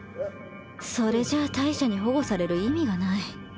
それじゃあ大社に保護される意味がない。